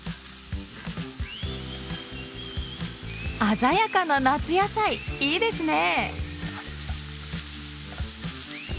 鮮やかな夏野菜いいですね。